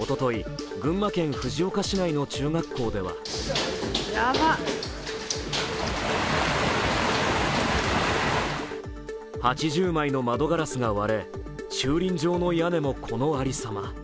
おととい、群馬県藤岡市内の中学校では８０枚の窓ガラスが割れ、駐輪場の屋根もこのありさま。